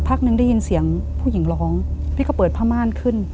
สักพักหนึ่งดียินเสียงผู้หญิงร้องพี่กระเป๋าเปิดผ้าม่านขึ้น